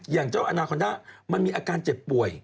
อย่างเจ้าอาณาคอนด้ามันมีอาการเจ็บป่วย